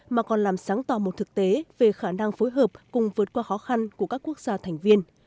mà còn làm sáng tỏ một thực tế về khả năng phối hợp cùng vượt qua khó khăn của các quốc gia thành viên